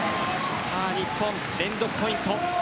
日本、連続ポイント。